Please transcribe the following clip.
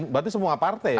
berarti semua partai ya